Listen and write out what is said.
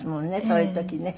そういう時ね。